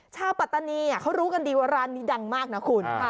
ปัตตานีเขารู้กันดีว่าร้านนี้ดังมากนะคุณ